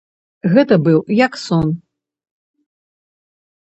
Гэта быў як сон.